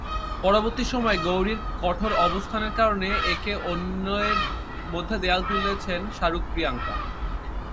পরবর্তী সময়ে গৌরীর কঠোর অবস্থানের কারণে একে অন্যের মধ্যে দেয়াল তুলেছেন শাহরুখ-প্রিয়াঙ্কা।